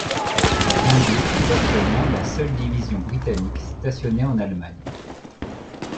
La blindée est actuellement la seule division britannique stationnée en Allemagne.